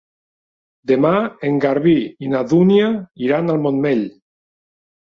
Demà en Garbí i na Dúnia iran al Montmell.